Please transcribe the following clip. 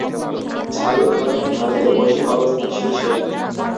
ঝাল উৎপাদনে ভারতের বৈশ্বিক অবস্থান শীর্ষে।